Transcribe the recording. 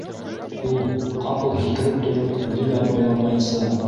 Ул, ҡапыл һикереп тороп, үҙе лә абайламайынса: